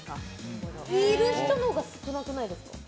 いる人のほうが少なくないですか？